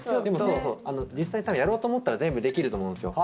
実際やろうと思ったら全部できると思うんですよ。